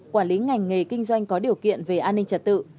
quản lý ngành nghề kinh doanh có điều kiện về an ninh trật tự